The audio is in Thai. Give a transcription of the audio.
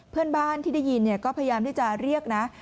เพื่อนบ้านที่ได้ยินก็พยายามที่จะเรียกนะ